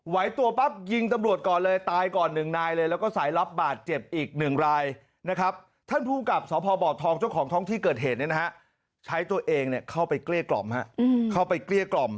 ไหวตัวปั๊บยิงตำรวจก่อนเลยตายก่อนหนึ่งนายเลย